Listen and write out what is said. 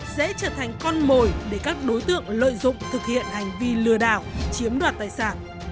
sẽ trở thành con mồi để các đối tượng lợi dụng thực hiện hành vi lừa đảo chiếm đoạt tài sản